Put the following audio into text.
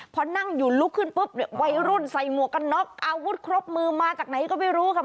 พอนั่งอยู่ลุกขึ้นปุ๊บเนี่ยวัยรุ่นใส่หมวกกันน็อกอาวุธครบมือมาจากไหนก็ไม่รู้ค่ะ